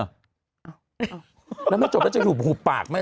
แล้วถ้าจบแล้วจะหูบหูปากไหมละ